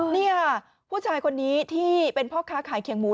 นี่ค่ะผู้ชายคนนี้ที่เป็นพ่อค้าขายเขียงหมู